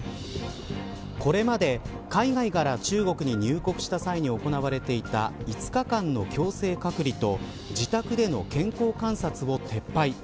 これまで、海外から中国に入国した際に行われていた５日間の強制隔離と自宅での健康観察を撤廃。